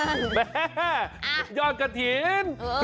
แม่ยอดกะถิ่น